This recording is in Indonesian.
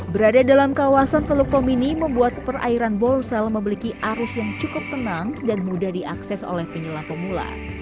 berada dalam kawasan teluk komini membuat perairan bolsel memiliki arus yang cukup tenang dan mudah diakses oleh penyelam pemula